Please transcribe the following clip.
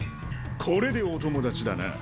これでお友達だな。